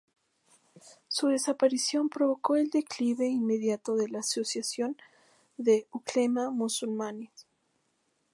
Su desaparición provocó el declive inmediato de la Asociación de Ulemas Musulmanes.